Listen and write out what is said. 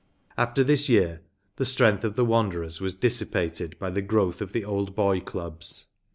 After this year the strength of the Wanderers was dissipated by the growth of the Old Boy clubs.